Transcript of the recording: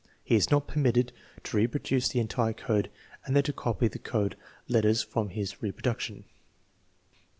He is not permitted to reproduce the entire code and then to copy the code let ters from his reproduction.